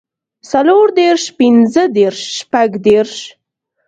څلور دېرش پنځۀ دېرش شپږ دېرش